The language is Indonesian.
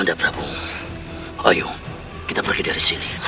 nanda prabu ayo kita pergi dari sini